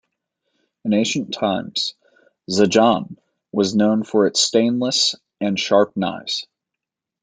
In ancient times, Zanjan was known for its stainless and sharp knives.